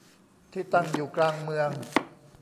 ที่ตั้งอยู่กลางเมือง